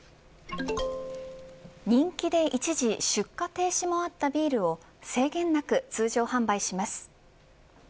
人気で、一時出荷停止もあったビールを制限なく通常販売します。